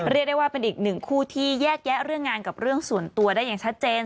เรียกได้ว่าเป็นอีกหนึ่งคู่ที่แยกแยะเรื่องงานกับเรื่องส่วนตัวได้อย่างชัดเจน